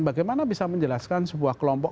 bagaimana bisa menjelaskan sebuah kelompok